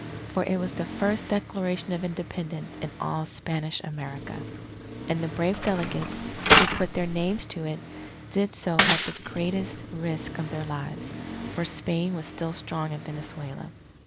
For it was the first Declaration of Independence in all Spanish America. And the brave delegates, who put their names to it, did so at the greatest risk of their lives; for Spain was still strong in Venezuela.